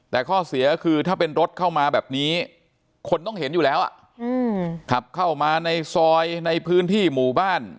แต่ข้อเสียก็คือถ้าเป็นรถเข้ามาแบบนี้คนต้องเห็นอยู่แล้วขับเข้ามาในซอยในพื้นที่หมู่บ้าน